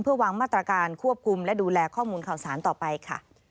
เพื่อวางมาตรการควบคุมและดูแลข้อมูลข่าวสารต่อไปค่ะ